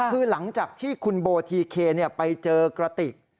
คือหลังจากที่คุณโบทีเคไปเจอกระติก